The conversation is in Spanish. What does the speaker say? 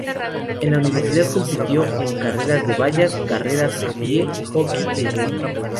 En la Universidad, compitió en carreras de vallas, carreras a pie, hockey y remo.